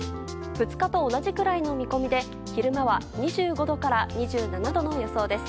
２日と同じくらいの見込みで昼間は２５度から２７度の予想です。